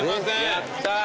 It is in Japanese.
やったー。